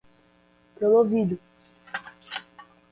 promovido